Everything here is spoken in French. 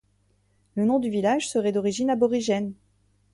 Le nom du village serait d'origine aborigène.